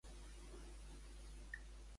Com va argumentar la seva posició Whiston?